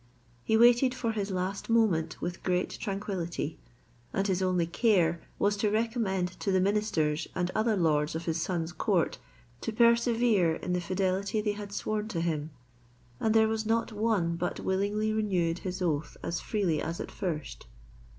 He waited for his last moment with great tranquillity, and his only care was to recommend to the ministers and other lords of his son's court, to persevere in the fidelity they had sworn to him: and there was not one but willingly renewed his oath as freely as at first.